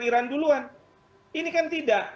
iran duluan ini kan tidak